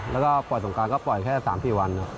แล้วก็ปล่อยสงการก็ปล่อยแค่๓๔วัน